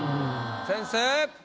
先生！